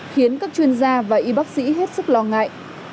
khiến các chuyên gia và y bác sĩ hết sức lo ngại